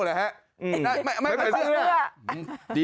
ไม่ผ่านเสื้อ